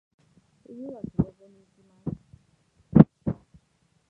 冬はスノボに行きます。